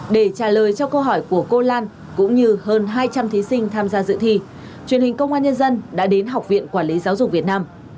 để trả lời cho câu hỏi của cô lan cũng như hơn hai trăm linh thí sinh tham gia dự thi truyền hình công an nhân dân đã đến học viện quản lý giáo dục việt nam